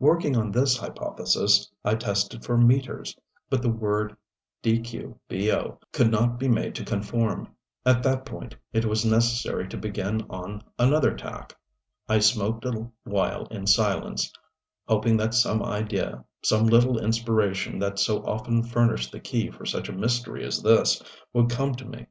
Working on this hypothesis I tested for "meters" but the word "dqbo" could not be made to conform. At that point it was necessary to begin on another tack. I smoked a while in silence, hoping that some idea, some little inspiration that so often furnished the key for such a mystery as this, would come to me.